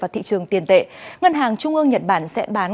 vào thị trường tiền tệ ngân hàng trung ương nhật bản sẽ bán